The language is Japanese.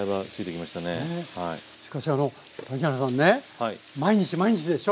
しかしあの谷原さんね毎日毎日でしょ？